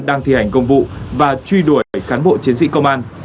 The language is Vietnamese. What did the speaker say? đang thi hành công vụ và truy đuổi cán bộ chiến sĩ công an